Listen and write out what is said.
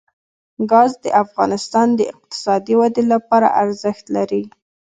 ګاز د افغانستان د اقتصادي ودې لپاره ارزښت لري.